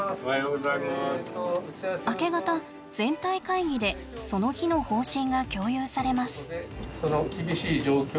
明け方全体会議でその日の方針が共有されます。